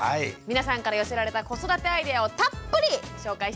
皆さんから寄せられた子育てアイデアをたっぷり紹介していきます。